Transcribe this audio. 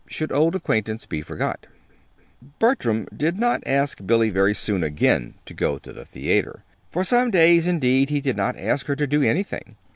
"SHOULD AULD ACQUAINTANCE BE FORGOT" Bertram did not ask Billy very soon again to go to the theater. For some days, indeed, he did not ask her to do anything.